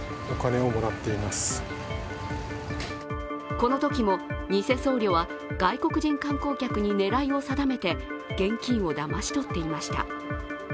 このときも偽僧侶は、外国人観光客に狙いを定めて現金をだまし取っていました。